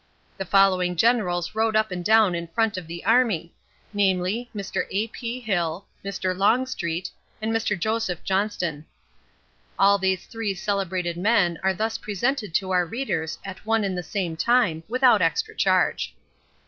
The following generals rode up and down in front of the army, namely, Mr. A. P. Hill, Mr. Longstreet, and Mr. Joseph Johnston. All these three celebrated men are thus presented to our readers at one and the same time without extra charge.